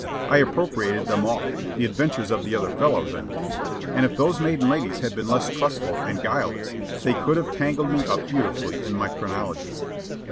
I appropriated them all, the adventures of the other fellows, I mean; and if those maiden ladies had been less trustful and guileless, they could have tangled me up beautifully in my chronology.